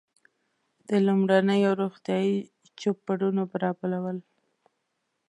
د لومړنیو روغتیایي چوپړونو برابرول.